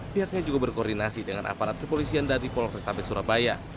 pihaknya juga berkoordinasi dengan aparat kepolisian dari polrestabes surabaya